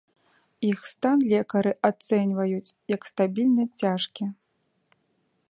Іх стан лекары ацэньваюць як стабільна цяжкі.